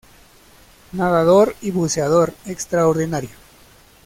Nadador y buceador extraordinario.